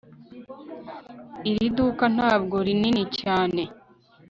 Iri duka ntabwo rinini cyane